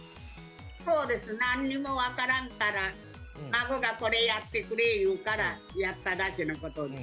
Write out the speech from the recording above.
そうです、何も分からんから孫がこれやってくれ言うからやっただけのこと。